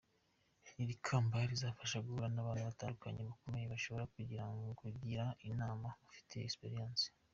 Iri kamba rizamfasha guhura n’abantu batandukanye bakomeye bashobora kungira inama babifitemo experience.